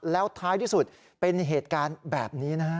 แล้วท้ายที่สุดเป็นเหตุการณ์แบบนี้นะฮะ